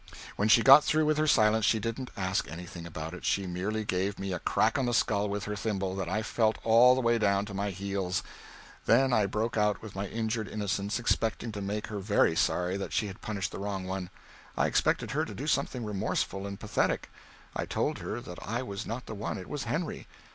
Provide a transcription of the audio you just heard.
When she got through with her silence she didn't ask anything about it she merely gave me a crack on the skull with her thimble that I felt all the way down to my heels. Then I broke out with my injured innocence, expecting to make her very sorry that she had punished the wrong one. I expected her to do something remorseful and pathetic. I told her that I was not the one it was Henry.